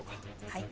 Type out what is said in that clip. はい。